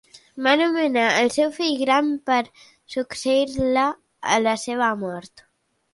Va nomenar al seu fill gran per succeir-la a la seva mort.